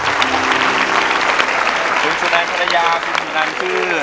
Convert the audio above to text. คุณสุนันภรรยาคุณสุนันคือ